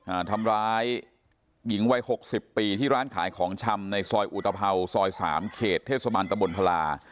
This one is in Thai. อ่าทำร้ายหญิงวัยหกสิบปีที่ร้านขายของชำในซอยอุตภัวซอยสามเขตเทศมันตะบนพลา